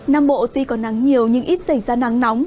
nam bộ tuy có nắng nhiều nhưng ít xảy ra nắng nóng